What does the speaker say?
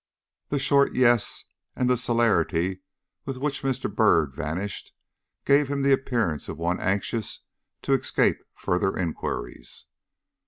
The short "Yes," and the celerity with which Mr. Byrd vanished, gave him the appearance of one anxious to escape further inquiries.